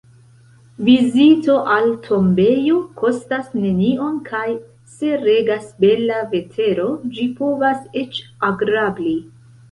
Vizito al tombejo kostas nenion kaj, se regas bela vetero, ĝi povas eĉ agrabli.